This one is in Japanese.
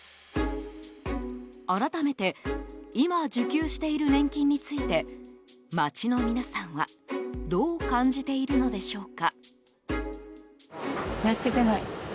改めて今、受給している年金について街の皆さんはどう感じているのでしょうか。